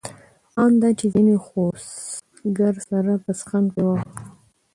آن دا چي ځيني خو ګرسره پسخند په وهي.